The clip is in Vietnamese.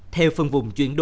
theo phân vùng chuyển đổi